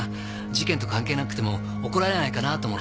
事件と関係なくても怒られないかなと思って。